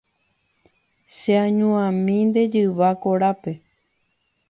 Cheañuãmi nde jyva korápe.